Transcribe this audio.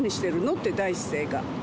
って、第一声が。